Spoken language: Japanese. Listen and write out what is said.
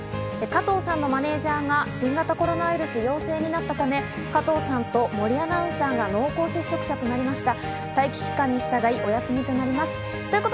加藤さんのマネジャーが新型コロナウイルス陽性になったため、加藤さんと森アナウンサーが濃厚接触者となりました。